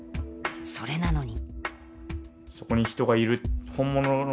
それなのに。